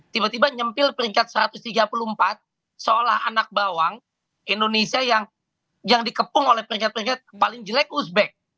tiba tiba nyempil peringkat satu ratus tiga puluh empat seolah anak bawang indonesia yang dikepung oleh peringkat pria paling jelek uzbek